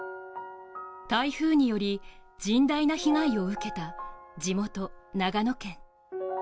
台風により甚大な被害を受けた地元・長野県。